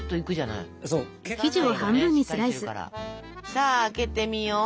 さあ開けてみよう。